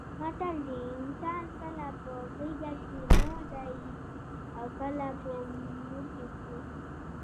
متل دی: انسان کله په غېږه کې نه ځایېږي اوکله په موټي کې.